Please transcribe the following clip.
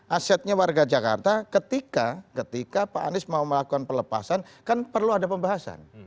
asetnya warga jakarta ketika pak anies mau melakukan pelepasan kan perlu ada pembahasan